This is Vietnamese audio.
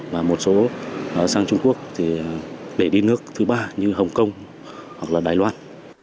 và một số sang trung quốc để đi nước thứ ba như hồng kông hoặc là đài loan